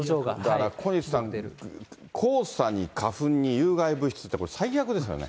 だから小西さん、黄砂に花粉に有害物質って、これ最悪ですよね。